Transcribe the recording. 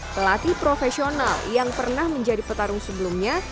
pelatih profesional yang pernah menjadi petarung sebelumnya